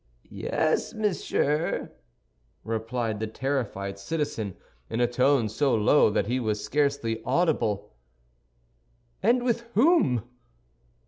"Yes, monsieur," replied the terrified citizen, in a tone so low that he was scarcely audible. "And with whom?"